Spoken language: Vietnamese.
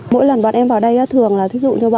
mỗi lần bạn em vào đây thường là thí dụ như bà